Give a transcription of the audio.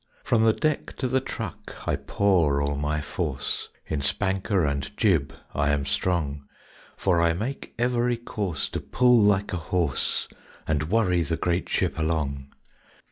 From the deck to the truck I pour all my force, In spanker and jib I am strong; For I make every course to pull like a horse And worry the great ship along.